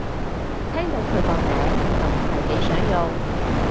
聽到佢個名就唔係幾想用